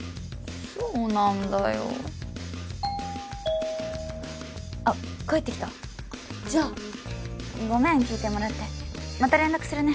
そうなんだよあっ帰ってきたあっじゃあごめん聞いてもらってまた連絡するね